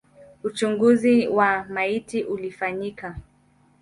Uchunguzi wa maiti ulifanyika.